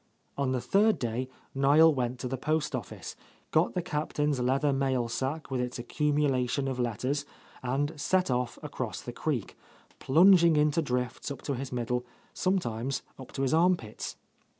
On the third day Niel went to the post office, got the Captain's leather mail sack with its ac cumulation of letters, and set off across the creek, plunging into drifts up to his middle, sometimes up to his arm pits.